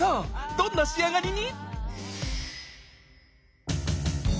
どんな仕上がりに？